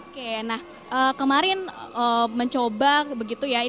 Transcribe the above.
oke nah kemarin mencoba begitu ya